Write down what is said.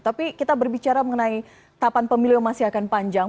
tapi kita berbicara mengenai tapan pemilu masih akan panjang